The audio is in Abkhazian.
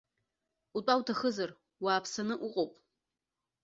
Утәа уҭахызар, уааԥсаны уҟоуп.